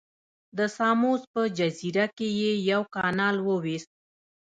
د ساموس په جزیره کې یې یو کانال وویست.